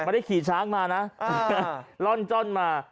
ไม่ได้ขี่ช้างมานะล่อนจ้อนมา